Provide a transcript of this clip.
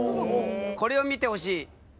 これを見てほしい。